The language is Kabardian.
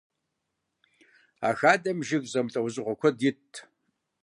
А хадэм жыг зэмылӏэужьыгъуэ куэд итт.